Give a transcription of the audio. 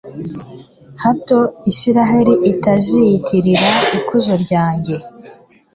hato israheli itaziyitirira ikuzo ryanjye